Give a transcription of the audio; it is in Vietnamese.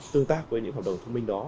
tương tác với những hợp đồng thông minh đó